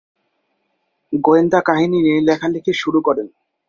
গোয়েন্দা কাহিনী দিয়ে লেখালেখির শুরু করেন।